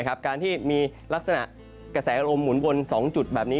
การที่มีลักษณะกระแสลมหมุนวน๒จุดแบบนี้